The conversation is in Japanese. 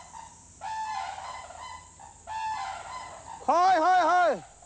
はいはいはい！